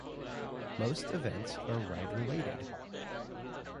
Most events are ride-related.